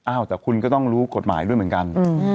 อ้าวแต่คุณก็ต้องรู้กฎหมายด้วยเหมือนกัน